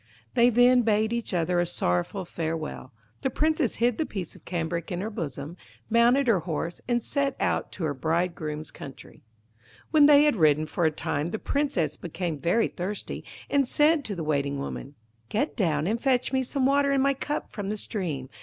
They then bade each other a sorrowful farewell. The Princess hid the piece of cambric in her bosom, mounted her horse, and set out to her bridegroom's country. When they had ridden for a time the Princess became very thirsty, and said to the Waiting woman, 'Get down and fetch me some water in my cup from the stream.